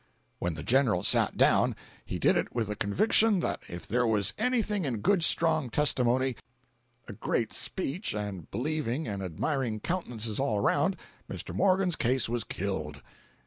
] 244.jpg (96K) When the General sat down, he did it with the conviction that if there was anything in good strong testimony, a great speech and believing and admiring countenances all around, Mr. Morgan's case was killed.